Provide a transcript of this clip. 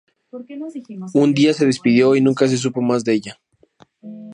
Un día se despidió y nunca se supo más de ella.